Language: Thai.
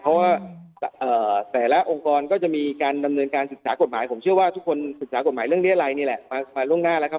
เพราะว่าแต่ละองค์กรก็จะมีการดำเนินการศึกษากฎหมายผมเชื่อว่าทุกคนศึกษากฎหมายเรื่องเรียรัยนี่แหละมาล่วงหน้าแล้วครับ